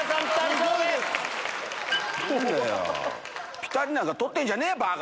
ピタリなんか取ってんじゃねえよバカ！